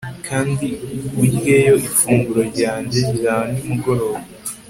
Kandi uryeyo ifunguro ryanjye rya nimugoroba